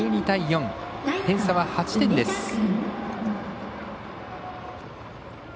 １２対４、点差は８点です。